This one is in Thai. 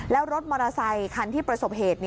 แล้วรถมอเตอร์ไซคันที่ประสบเหตุ